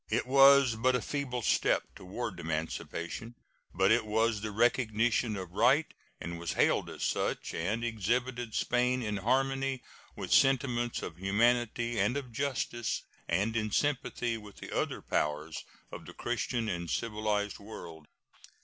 It was but a feeble step toward emancipation, but it was the recognition of right, and was hailed as such, and exhibited Spain in harmony with sentiments of humanity and of justice and in sympathy with the other powers of the Christian and civilized world.